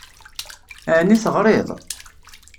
Ɛni teɣṛiḍ?